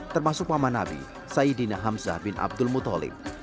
termasuk mama nabi sayyidina hamzah bin abdul mutholib